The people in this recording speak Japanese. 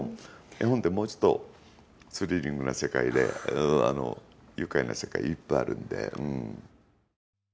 絵本って、もうちょっとスリリングな世界で愉快な世界いっぱいあるんで。